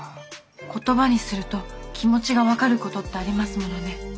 言葉にすると気持ちが分かることってありますものね。